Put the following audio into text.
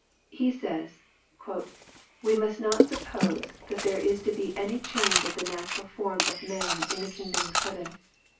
He says, "We must not suppose that there is to be any change of the natural form of man in the kingdom of heaven.